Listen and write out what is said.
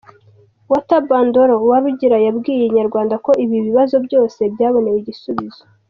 Walter Bandora Uwarugira yabwiye Inyarwanda ko ibi bibazo byose byabonewe igisubizo.